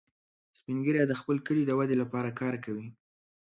سپین ږیری د خپل کلي د ودې لپاره کار کوي